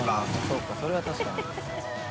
そうかそれは確かに。